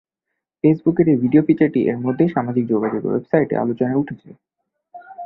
ফেসবুকের এই ভিডিও ফিচারটি এরমধ্যেই সামাজিক যোগাযোগের ওয়েবসাইটে আলোচনায় উঠেছে।